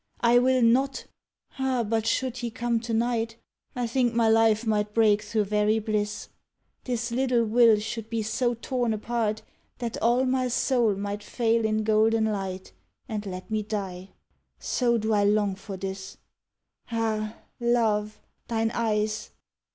I will not Ah, but should he come to night I think my life might break thro' very bliss, This little will should so be torn apart That all my soul might fail in golden light And let me die So do I long for this. Ah, love, thine eyes!